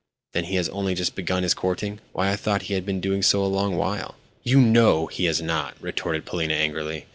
"Then he has only just begun his courting? Why, I thought he had been doing so a long while!" "You know he has not," retorted Polina angrily.